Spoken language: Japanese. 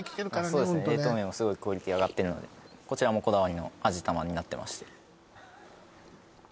そうですね冷凍麺もすごいクオリティー上がってるのでこちらもこだわりの味玉になってまして